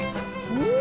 うん！